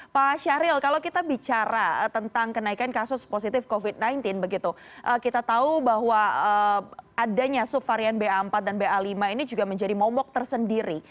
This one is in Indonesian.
pak syahril kalau kita bicara tentang kenaikan kasus positif covid sembilan belas begitu kita tahu bahwa adanya subvarian ba empat dan ba lima ini juga menjadi momok tersendiri